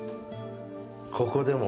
ここでも。